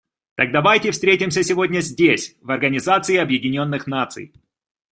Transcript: Так давайте встретимся сегодня здесь, в Организации Объединенных Наций.